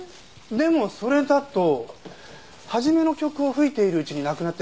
でもそれだと初めの曲を吹いているうちに亡くなってしまいませんか？